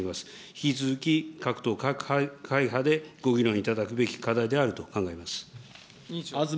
引き続き各党各会派でご議論いただくべき課題であると考えます。